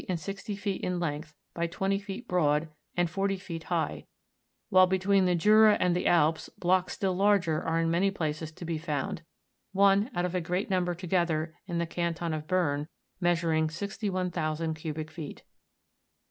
and sixty feet in length, by twenty feet broad, and forty feet high, while between the Jura and the Alps blocks still larger are in many places to be found one, out of a great number together in the canton of Berne, measuring 01,000 cubic feet.